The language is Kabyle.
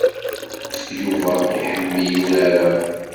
Yuba iḥemmel urar-a.